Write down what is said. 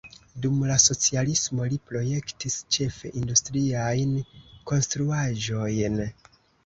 Dum la socialismo li projektis ĉefe industriajn konstruaĵojn.